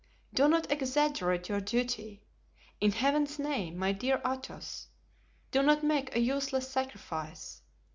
Do not exaggerate your duty. In Heaven's name, my dear Athos, do not make a useless sacrifice.